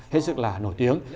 hết sức là nổi tiếng